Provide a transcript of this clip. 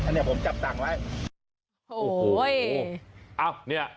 อันนี้ผมจับต่างไม๊